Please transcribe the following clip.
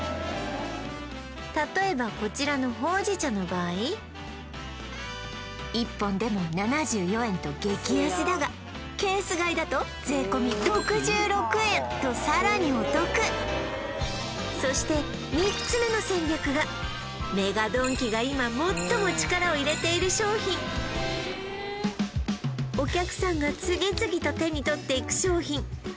たとえばこちらのほうじ茶の場合１本でも７４円と激安だがケース買いだと税込み６６円とさらにお得そして３つ目の戦略がＭＥＧＡドンキが今最も力を入れている商品お客さんが次々と手に取っていく商品